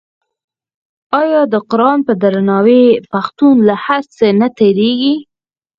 آیا د قران په درناوي پښتون له هر څه نه تیریږي؟